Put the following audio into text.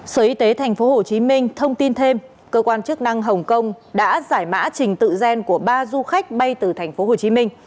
sở y tế tp hcm thông tin thêm cơ quan chức năng hồng kông đã giải mã trình tự gen của ba du khách bay từ tp hcm